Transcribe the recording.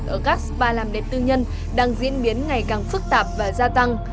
ở các spa làm đẹp tư nhân đang diễn biến ngày càng phức tạp và gia tăng